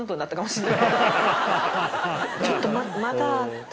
ちょっとまだ。